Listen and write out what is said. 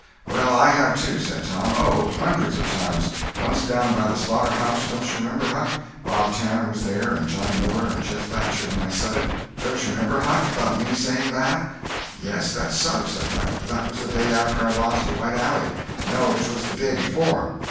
"Well, I have too," said Tom; "oh, hundreds of times. Once down by the slaughter house. Don't you remember, Huck? Bob Tanner was there, and Johnny Miller, and Jeff Thatcher, when I said it. Don't you remember, Huck, 'bout me saying that?" "Yes, that's so," said Huck. "That was the day after I lost a white alley. No, 'twas the day before."